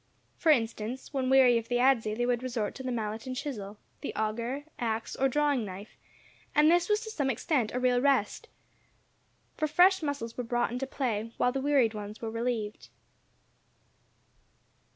For instance, when weary of the adze they would resort to the mallet and chisel, the auger, ax, or drawing knife, and this was to some extent a real rest, for fresh muscles were brought into play while the wearied ones were relieved.